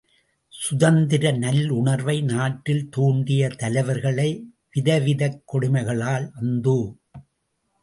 சுதந்திர நல்லுணர்வை நாட்டில் தூண்டிய தலைவர்களை விதவிதக் கொடுமைகளால் அந்தோ!